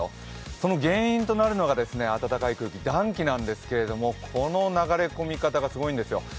その原因となるのが暖かい空気暖気なんですけどこの流れ込み方がすごいんですよ。